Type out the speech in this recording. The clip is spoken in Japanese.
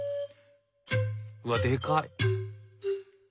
うわでかい。